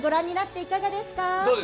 いかがですか？